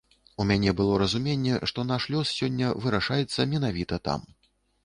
У мяне было разуменне, што наш лёс сёння вырашаецца менавіта там.